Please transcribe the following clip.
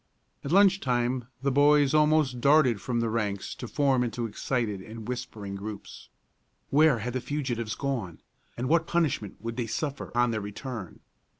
At lunch time the boys almost darted from the ranks to form into excited and whispering groups. Where had the fugitives gone, and what punishment would they suffer on their return?